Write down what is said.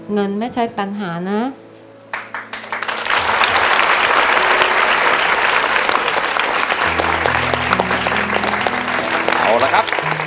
เงินไม่ใช่ปัญหานะ